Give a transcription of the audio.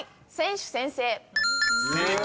［正解］